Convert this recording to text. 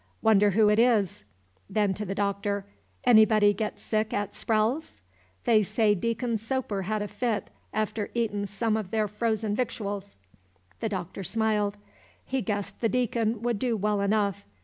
"Wonder who it is." Then to the Doctor, "Anybody get sick at Sprowles's? They say Deacon Soper had a fit, after eatin' some o' their frozen victuals." The Doctor smiled. He guessed the Deacon would do well enough.